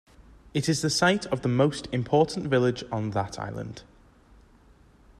It is the site of most important village on that island.